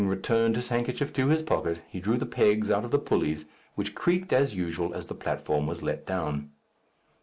Having returned his handkerchief to his pocket, he drew the pegs out of the pulleys, which creaked as usual as the platform was let down.